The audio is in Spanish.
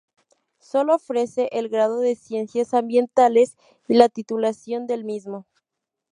Sólo ofrece el "Grado de Ciencias Ambientales" y la titulación del mismo.